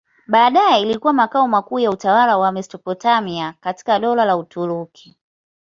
Baadaye ilikuwa makao makuu ya utawala wa Mesopotamia katika Dola la Uturuki.